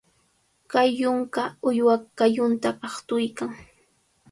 Kay yunka uywa qallunta aqtuykan.